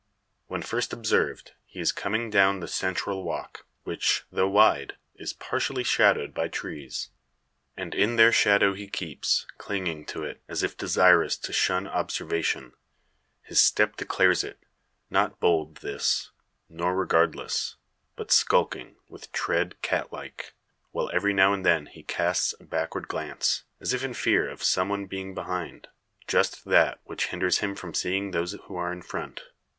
When first observed, he is coming down the central walk; which, though wide, is partially shadowed by trees. And in their shadow he keeps, clinging to it, as if desirous to shun observation. His step declares it; not bold this, nor regardless, but skulking, with tread catlike; while every now and then he casts a backward glance, as if in fear of some one being behind. Just that which hinders him from seeing those who are in front.